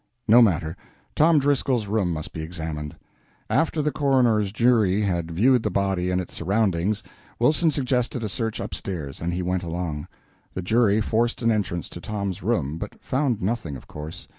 No matter; Tom Driscoll's room must be examined. After the coroner's jury had viewed the body and its surroundings, Wilson suggested a search up stairs, and he went along. The jury forced an entrance to Tom's room, but found nothing, of course.